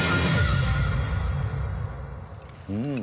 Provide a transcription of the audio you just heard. うん。